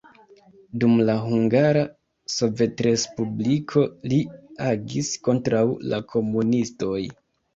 Dum la Hungara Sovetrespubliko li agis kontraŭ la komunistoj.